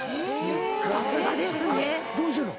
さすがですね。どうしてんの？